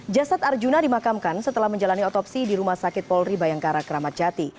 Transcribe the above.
jasad arjuna dimakamkan setelah menjalani otopsi di rumah sakit polri bayangkara keramat jati